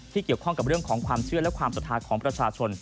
เกี่ยวข้องกับเรื่องของความเชื่อและความศรัทธาของประชาชน